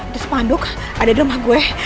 terus panduk ada di rumah gue